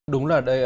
đúng là đây